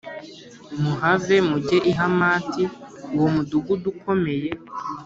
muhave mujye i Hamati uwo mudugudu ukomeye